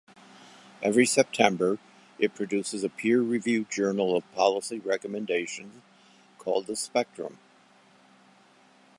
Every September, it produces a peer-reviewed journal of policy recommendations called "The Spectrum".